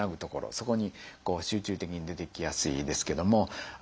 そこに集中的に出てきやすいですけども。